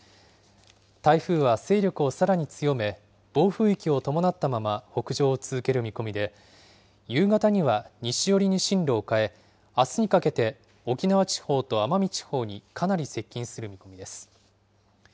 台風は勢力をさらに強め、暴風域を伴ったまま北上を続ける見込みで、夕方には西寄りに進路を変え、あすにかけて、沖縄地方と奄美地方にかなり接近する見込みです。